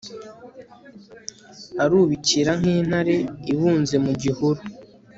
arubikira nk'intare ibunze mu gihuru